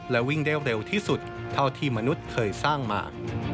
และวิ่งได้เร็วที่สุดเท่าที่มนุษย์เคยสร้างมา